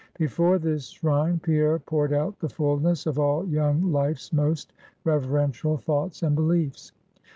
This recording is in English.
Before this shrine, Pierre poured out the fullness of all young life's most reverential thoughts and beliefs.